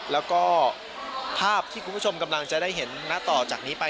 แล้วก็ภาพที่คุณผู้ชมกำลังจะได้เห็นณต่อจากนี้ไป